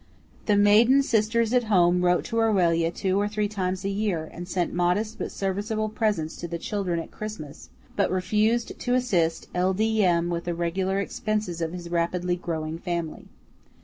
The maiden sisters at home wrote to Aurelia two or three times a year, and sent modest but serviceable presents to the children at Christmas, but refused to assist L. D. M. with the regular expenses of his rapidly growing family.